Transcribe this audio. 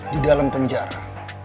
di dalam penjara